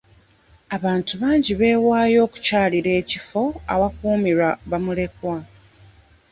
Abantu bangi beewaayo okukyalira ekifo ewakuumirwa bamulekwa.